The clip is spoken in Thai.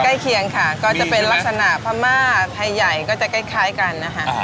ใกล้เคียงค่ะก็จะเป็นลักษณะพม่าไทยใหญ่ก็จะคล้ายกันนะคะ